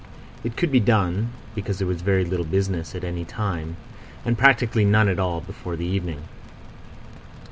It could be done, because there was very little business at any time, and practically none at all before the evening.